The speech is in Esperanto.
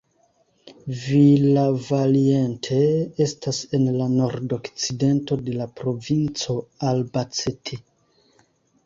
Villavaliente estas en la nordokcidento de la provinco Albacete.